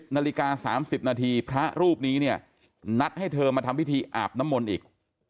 นาฬิกา๓๐นาทีพระรูปนี้เนี่ยนัดให้เธอมาทำพิธีอาบน้ำมนต์อีก